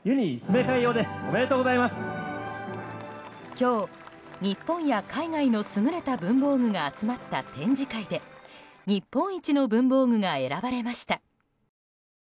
今日、日本や海外の優れた文房具が集まった展示会で日本一の文房具が選ばれました。